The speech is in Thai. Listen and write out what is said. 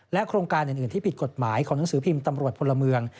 โครงการอื่นที่ผิดกฎหมายของหนังสือพิมพ์ตำรวจพลเมือง